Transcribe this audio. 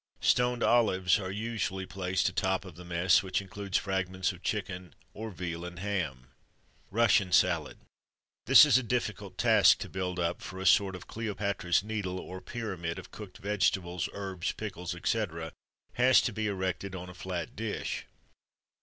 Stoned olives are usually placed atop of the mess, which includes fragments of chicken, or veal and ham. Russian Salad. This is a difficult task to build up; for a sort of Cleopatra's Needle, or pyramid, of cooked vegetables, herbs, pickles, etc., has to be erected on a flat dish.